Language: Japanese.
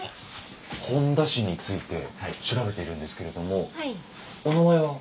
本田氏について調べているんですけれどもお名前は？